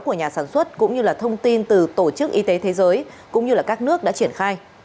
của nhà sản xuất cũng như là thông tin từ tổ chức y tế thế giới cũng như các nước đã triển khai